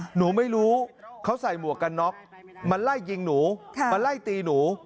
หนูไม่รู้เขาใส่หมวกกันน็อกมาไล่ยิงหนูมาไล่ตีหนู